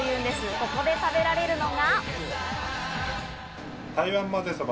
ここで食べられるのが。